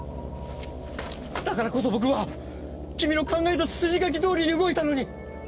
だからこそ僕は君の考えた筋書きどおりに動いたのに。